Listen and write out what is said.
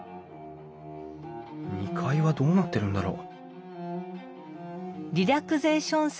２階はどうなってるんだろう？